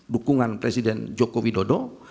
dukungan presiden joko widodo